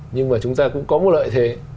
nhưng mà chúng ta cũng có một lợi thế